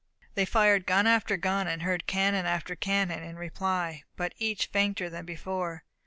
They fired gun after gun, and heard cannon after cannon in reply, but each fainter than before.